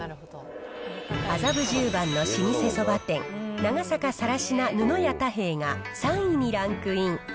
麻布十番の老舗そば店、永坂更科布屋太兵衛が３位にランクイン。